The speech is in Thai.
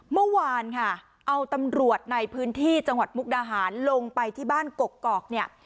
เมื่อวานค่ะเอาตำรวจในพื้นที่จังหวัดมุกดาหารลงไปที่บ้านกกอกเนี่ย